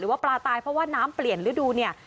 ว่าปลาตายเพราะว่าน้ำเปลี่ยนฤดูเนี่ย